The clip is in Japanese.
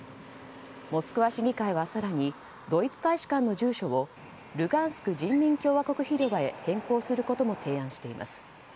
モスクワ市議会は更にドイツ大使館の住所をルガンスク人民共和国広場へ変更することも提案しています。